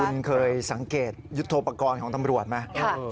คุณเคยสังเกตยุทธโปรกรณ์ของตำรวจไหม